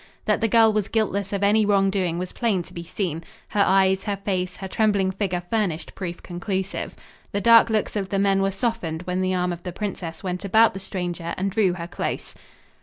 That the girl was guiltless of any wrong doing was plain to be seen. Her eyes, her face, her trembling figure furnished proof conclusive. The dark looks of the men were softened when the arm of the princess went about the stranger and drew her close.